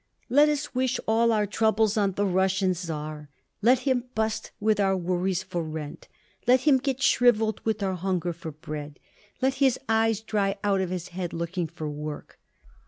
"Let us wish all our troubles on the Russian Czar! Let him bust with our worries for rent! Let him get shriveled with our hunger for bread! Let his eyes dry out of his head looking for work!"